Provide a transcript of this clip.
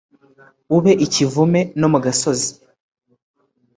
ube ikivume no mu gasozi.